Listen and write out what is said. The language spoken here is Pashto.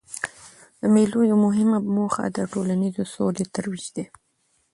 د مېلو یوه مهمه موخه د ټولنیزي سولې ترویج دئ.